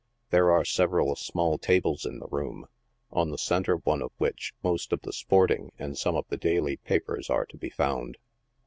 There are several small tables in the room, on the centre one of which most of the sporting and some of the daily papers are to be found.